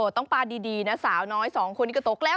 ต้องปลาดีนะสาวน้อยสองคนนี้ก็ตกแล้ว